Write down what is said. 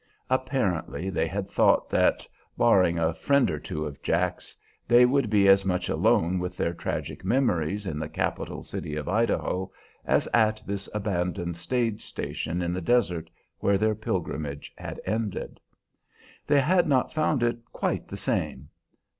Apparently they had thought that, barring a friend or two of Jack's, they would be as much alone with their tragic memories in the capital city of Idaho as at this abandoned stage station in the desert where their pilgrimage had ended. They had not found it quite the same.